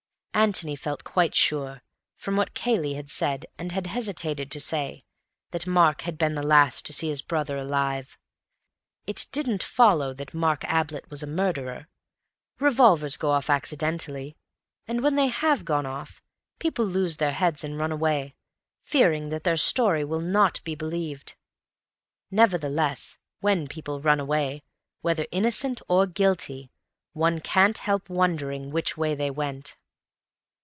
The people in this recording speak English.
Antony felt quite sure, from what Cayley had said and had hesitated to say, that Mark had been the last to see his brother alive. It didn't follow that Mark Ablett was a murderer. Revolvers go off accidentally; and when they have gone off, people lose their heads and run away, fearing that their story will not be believed. Nevertheless, when people run away, whether innocently or guiltily, one can't help wondering which way they went.